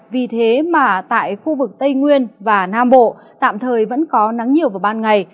vì thế mà tại khu vực tây nguyên và nam bộ tạm thời vẫn có nắng nhiều vào ban ngày